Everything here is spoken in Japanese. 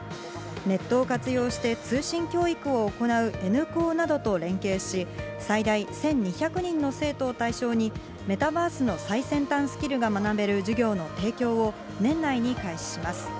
ネットを活用して通信教育を行うＮ高などと連携して、最大１２００人の生徒を対象に、メタバースの最先端スキルが学べる授業の提供を年内に開始します。